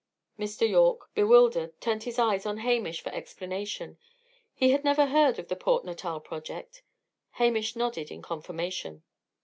Mr. Yorke, bewildered, turned his eyes on Hamish for explanation. He had never heard of the Port Natal project. Hamish nodded in confirmation.